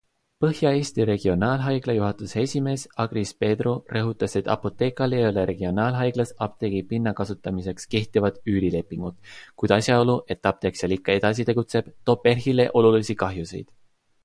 Põhja-Eesti Regionaalhaigla juhatuse esimees Agris Peedu rõhutas, et Apothekal ei ole regionaalhaiglas apteegi pinna kasutamiseks kehtivat üürilepingut, kuid asjaolu, et apteek seal ikka edasi tegutseb, toob PERH-ile olulisi kahjusid.